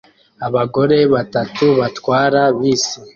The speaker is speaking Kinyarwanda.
Abagore batatu batwara bisi